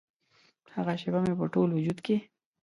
هغه شیبه مې په ټول وجود کې